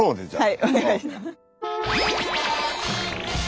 はいお願いします。